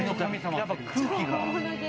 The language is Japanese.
やっぱり空気が。